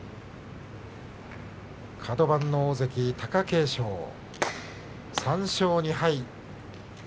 カド番の大関、貴景勝３勝２敗。